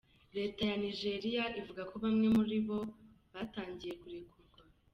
Leta ya Nigeria ivuga ko bamwe muri bo batangiye kurekurwa.